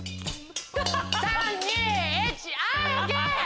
３ ・２・１はい ＯＫ！